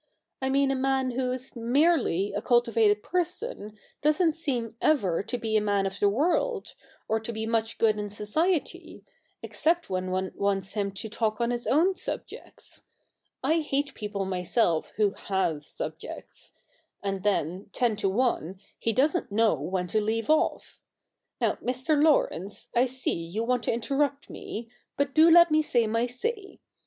I mean a man who's merely a cultivated person doesn't seem ever to be a man of the world, or to be much good in society, except when one wants him to talk on his own subjects — I hate people myself who have subjects — and then, ten to one, he doesn't know when to leave off. Now, Mr. Laurence, I see you want to inter rupt me ; but do let me say my say.